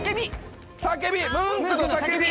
『叫び』